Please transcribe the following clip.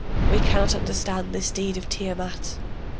We cannot understand this deed of Tiamat.